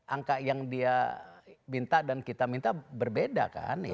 angka yang dia minta dan kita minta berbeda kan